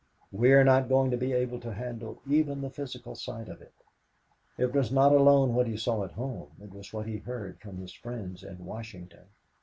We were not going to be able to handle even the physical side of it. It was not alone what he saw at home; it was what he heard from his friends in Washington.